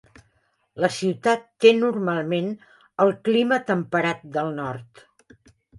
La ciutat té normalment el clima temperat del nord.